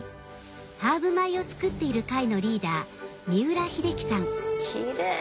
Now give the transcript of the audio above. ハーブ米を作っている会のリーダーきれい！